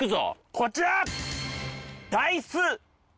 こちら！